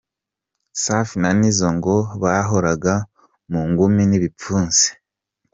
Safi na Nizzo ngo bahoraga mu ngumi n’ibipfunsi.